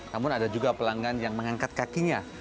namun ada juga pelanggan yang mengangkat kakinya